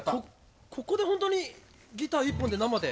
ここで本当にギター一本で生で。